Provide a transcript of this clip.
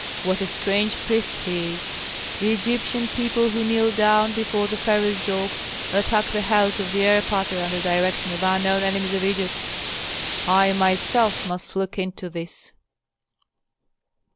What a strange priest he is! The Egyptian people who kneel down before the pharaoh's dogs attack the house of the erpatr under direction of unknown enemies of Egypt. I myself must look into this."